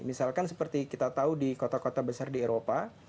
misalkan seperti kita tahu di kota kota besar di eropa